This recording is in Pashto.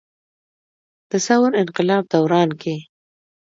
د ثور انقلاب دوران کښې